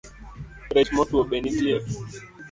Rech motuo be nitie?